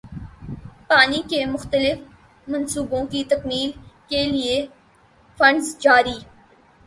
پانی کے مختلف منصوبوں کی تکمیل کیلئے فنڈز جاری